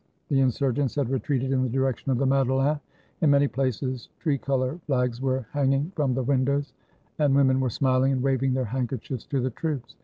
The insurgents had retreated in the direction of the Madeleine. In many places tricolor flags were hang ing from the windows, and women were smiling and waving their handkerchiefs to the troops.